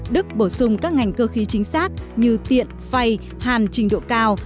đức bổ sung các ngành cơ khí chính xác như tiện phay hàn trình độ cao